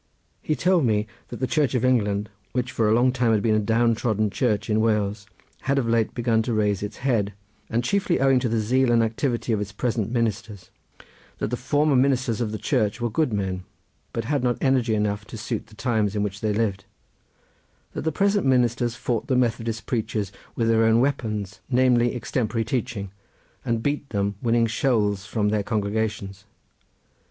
He told me that the Church of England, which for a long time had been a down trodden Church in Wales, had of late begun to raise its head, and chiefly owing to the zeal and activity of its present ministers; that the former ministers of the Church were good men but had not energy enough to suit the times in which they lived; that the present ministers fought the Methodist preachers with their own weapon, namely extemporary preaching, and beat them, winning shoals from their congregations.